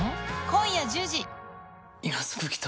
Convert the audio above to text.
今夜１０時。